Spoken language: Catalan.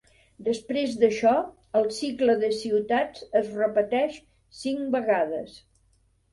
Després d'això, el cicle de ciutats es repeteix cinc vegades.